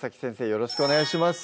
よろしくお願いします